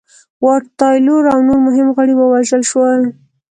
واټ تایلور او نور مهم غړي ووژل شول.